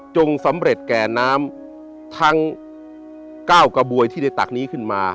สำเร็จแก่น้ำทั้ง๙กระบวยที่ได้ตักนี้ขึ้นมา